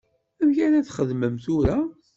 Amek ara txedmem tura?